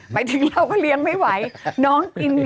หมายถึงเราก็เลี้ยงไม่ไหวน้องกิน